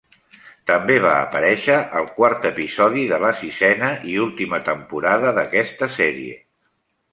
També va aparèixer al quart episodi de la sisena i última temporada d'aquesta sèrie.